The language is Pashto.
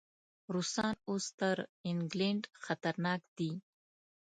روسان اوس تر انګلینډ خطرناک دي.